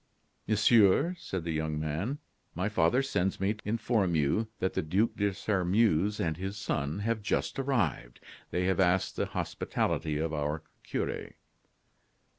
"Monsieur," said the young man, "my father sends me to inform you that the Duc de Sairmeuse and his son have just arrived. They have asked the hospitality of our cure."